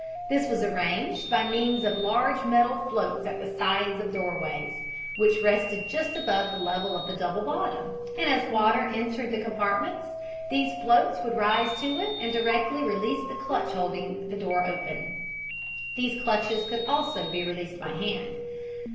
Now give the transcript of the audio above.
This was arranged by means of large metal floats at the side of the doorways, which rested just above the level of the double bottom, and as the water entered the compartments these floats would rise to it and directly release the clutch holding the door open. These clutches could also be released by hand.